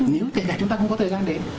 nếu chúng ta không có thời gian để